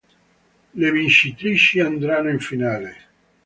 Le vincitrici andranno in finale.